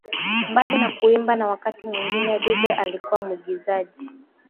Mbali na kuimba na wakati mwingine dube alikuwa muigizaji